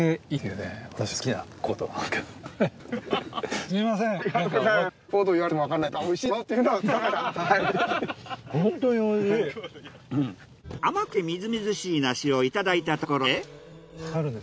では甘くてみずみずしい梨をいただいたところで。